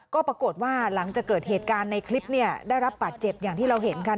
ก็ปรากฏว่าหลังจากเกิดเหตุการณ์ในคลิปเนี่ยได้รับบาดเจ็บอย่างที่เราเห็นกัน